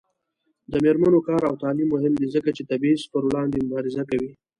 د میرمنو کار او تعلیم مهم دی ځکه چې تبعیض پر وړاندې مبارزه کوي.